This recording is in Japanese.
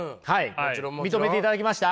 もちろんもちろん。認めていただきました？